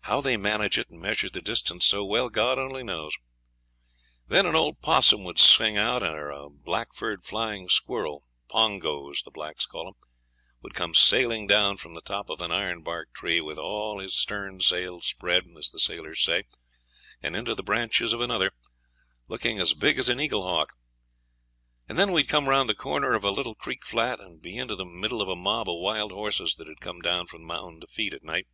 How they manage it and measure the distance so well, God only knows. Then an old 'possum would sing out, or a black furred flying squirrel pongos, the blacks call 'em would come sailing down from the top of an ironbark tree, with all his stern sails spread, as the sailors say, and into the branches of another, looking as big as an eagle hawk. And then we'd come round the corner of a little creek flat and be into the middle of a mob of wild horses that had come down from the mountain to feed at night.